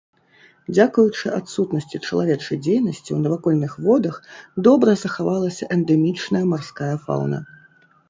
Дзякуючы адсутнасці чалавечай дзейнасці ў навакольных водах добра захавалася эндэмічная марская фаўна.